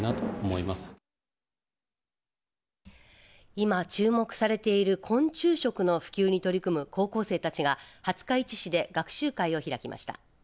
今注目されている昆虫食の普及に取り組む高校生たちが廿日市市で学習会を開きました。